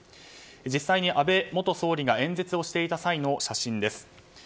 実際に安倍元総理が演説をしていた際の写真です。